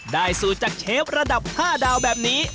สูตรจากเชฟระดับ๕ดาวแบบนี้